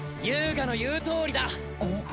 遊我の言うとおりだ！